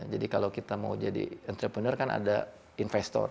jadi kalau kita mau jadi entrepreneur kan ada investor